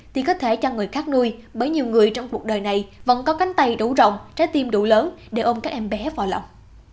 thì có thể cho người khác nuôi bởi nhiều người trong cuộc đời này vẫn có cánh tay đủ rộng trái tim đủ lớn để ôm các em bé vào lòng